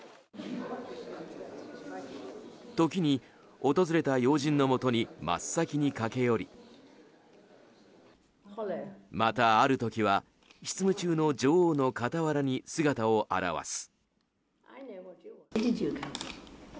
時に、訪れた要人のもとに真っ先に駆け寄りまた、ある時は執務中の女王の傍らに姿を現す。